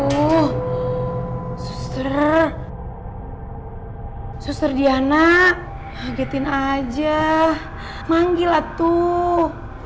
aduh suster suster diana hagetin aja manggil lah tuh